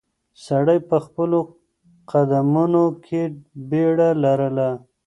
سړی په خپلو قدمونو کې بیړه لرله.